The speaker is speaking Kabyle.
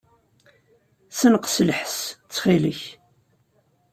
Ssenqes lḥess, ttxil-k.